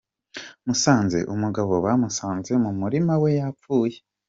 Musanze:Umugabo bamusanze mu murima we yapfuye.